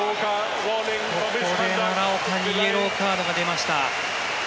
ここで奈良岡にイエローカードが出ました。